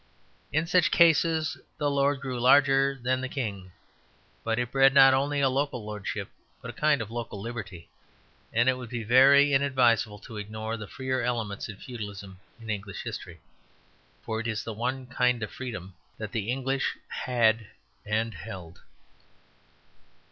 In such cases the lord grew larger than the king; but it bred not only a local lordship but a kind of local liberty. And it would be very inadvisable to ignore the freer element in Feudalism in English history. For it is the one kind of freedom that the English have had and held.